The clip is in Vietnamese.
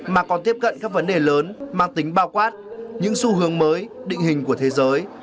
mà còn tiếp cận các vấn đề lớn mang tính bao quát những xu hướng mới định hình của thế giới